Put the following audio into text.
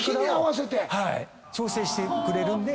調整してくれるんで。